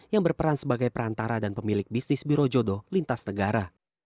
yang berperan sebagai perantara dan pemilik bisnis biro jodoh lintas negara